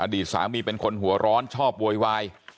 ดีสามีเป็นคนหัวร้อนชอบโวยวาย